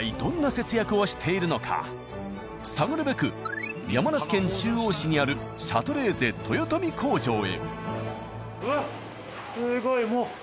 探るべく山梨県中央市にある「シャトレーゼ」豊富工場へ。